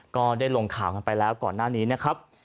ก็ได้ลงข่าวกันไปแล้วก่อนหน้านี้นะครับ